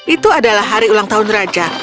itu adalah hari ulang tahun raja